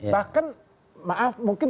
bahkan maaf mungkin